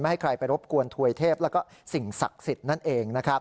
ไม่ให้ใครไปรบกวนถวยเทพและสิ่งศักดิ์สิทธิ์นั่นเอง